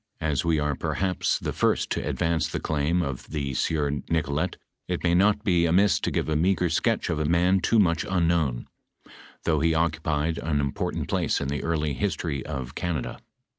I As we are perhaps the first to advance thadnim of the sieur NicnTet, it may not be amiss to give a meager sketch of a man too mncli nnknown, tliongh he occupied an important place in the early history of Canada.